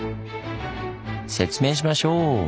説明しましょう！